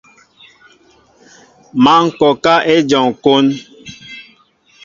Má ŋkɔkă éjom kón.